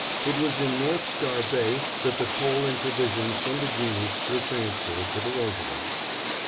It was in North Star Bay that the coal and provisions from the Jeanie were transferred to the Roosevelt.